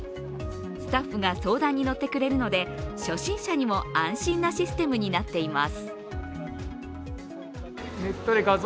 スタッフが相談に乗ってくれるので初心者にも安心なシステムになっています。